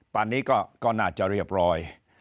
ตอนนี้ก็น่าจะเรียบร้อย